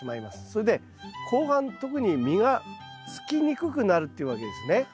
それで後半特に実がつきにくくなるっていうわけですね。